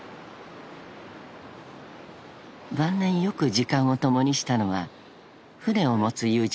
［晩年よく時間を共にしたのは船を持つ］